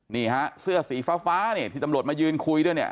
นี่ฮะเสื้อสีฟ้าเนี่ยที่ตำรวจมายืนคุยด้วยเนี่ย